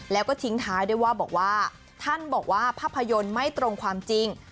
แล้วก็ทิ้งท้ายด้วยว่าบอกว่าท่านบอกว่าภาพยนตร์ไม่ตรงความจริง